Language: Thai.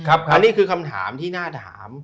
อันนี้คือคำถามที่น่าถาม